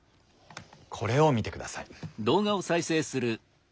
これを見てください。